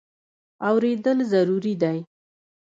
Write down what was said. اورېدل ضروري دی.